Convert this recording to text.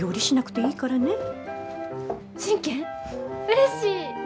うれしい。